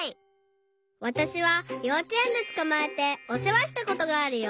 わたしはようちえんでつかまえておせわしたことがあるよ！